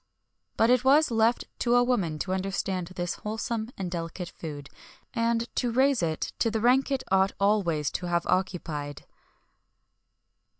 But it was left to a woman to understand this wholesome and delicate food, and to raise it to the rank it ought always to have occupied.